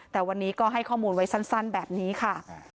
แต่วันนี้ก็ให้ข้อมูลไว้สั้นแบบนี้ค่ะ